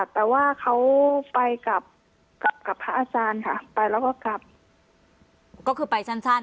แต่ว่าเขาไปกับพระอาจารย์ค่ะไปแล้วก็กลับก็คือไปสั้น